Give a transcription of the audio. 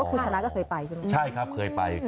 คุณชนะก็เคยไปใช่ไหมคะคุณชนะใช่ครับเคยไป